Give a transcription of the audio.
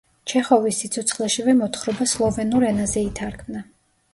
ჩეხოვის სიცოცხლეშივე მოთხრობა სლოვენურ ენაზე ითარგმნა.